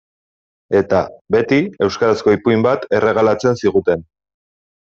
Eta, beti, euskarazko ipuin bat erregalatzen ziguten.